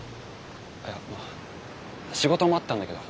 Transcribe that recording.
いや仕事もあったんだけど。